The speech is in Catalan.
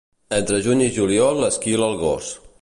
Entre juny i juliol esquila el gos.